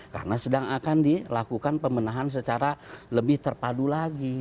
karena sedang akan dilakukan pemenahan secara lebih terpadu lagi